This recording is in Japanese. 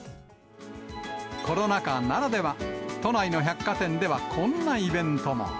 コロナ禍ならでは、都内の百貨店ではこんなイベントも。